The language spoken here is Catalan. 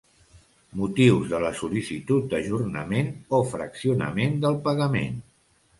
Motius de la sol·licitud d'ajornament o fraccionament del pagament.